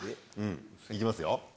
行きますよ。